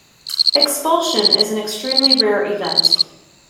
Expulsion is an extremely rare event.